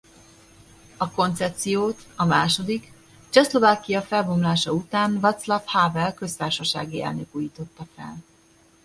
A koncepciót a második Csehszlovákia felbomlása után Václav Havel köztársasági elnök újította fel.